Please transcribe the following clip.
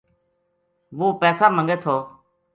وہ پیسا منگے تھو۔